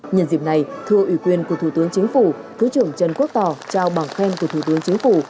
nhân dịp này thưa ủy quyền của thủ tướng chính phủ thứ trưởng trần quốc tỏ trao bằng khen của thủ tướng chính phủ